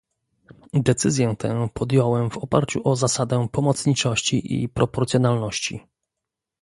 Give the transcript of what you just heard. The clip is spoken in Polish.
Decyzję tę podjąłem w oparciu o zasadę pomocniczości i proporcjonalności